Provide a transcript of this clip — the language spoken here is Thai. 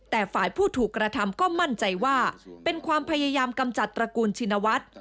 แต่ฝ่ายผู้ถูกกระทำก็มั่นใจว่าเป็นความพยายามกำจัดตระกูลชินวัฒน์